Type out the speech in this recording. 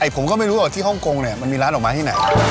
ผมก็ไม่รู้ว่าที่ฮ่องกงมันมีร้านดอกไม้ที่ไหน